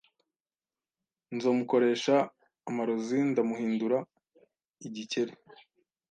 Nzomukoresha amarozi ndamuhindura igikeri.